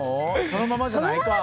そのままじゃないか。